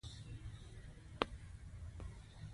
فرمان ساجد استاذ صېب د پاتې کېدو